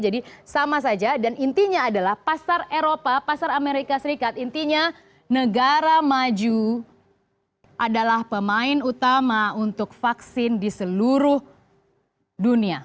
jadi sama saja dan intinya adalah pasar eropa pasar amerika serikat intinya negara maju adalah pemain utama untuk vaksin di seluruh dunia